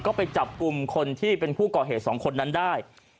ก็ไปจับกลุ่มคนที่เป็นผู้ก่อเหตุสองคนนั้นได้